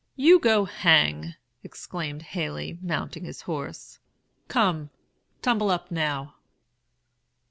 "'You go hang!' exclaimed Haley, mounting his horse. 'Come, tumble up, now.'